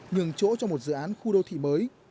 nhường chỗ cho một dự án khu đô thị mới